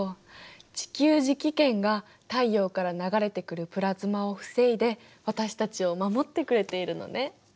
地球磁気圏が太陽から流れてくるプラズマを防いで私たちを守ってくれているのね。